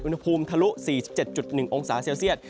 อุณหภูมิทะลุ๔๗๑องศาเซลเซียส